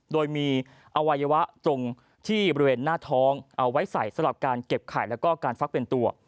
โดยมีอวัยวะตรงที่บริเวณหน้าท้องเอาไว้ใส่สำหรับการเก็บไข่แล้วก็การฟักเป็นตัว